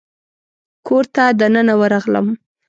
کور ته دننه ورغلم.